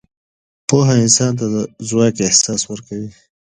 پوهه انسان ته د ځواک احساس ورکوي.